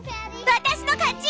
私の勝ちぃ！